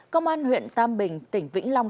công an huyện tam bình tỉnh vĩnh long